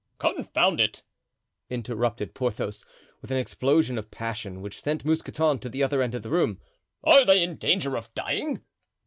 "Confound it," interrupted Porthos, with an explosion of passion which sent Mousqueton to the other end of the room; "are they in danger of dying?"